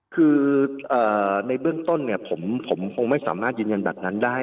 คือในเบื้องต้นผมคงไม่สามารถยืนยันแบบนั้นได้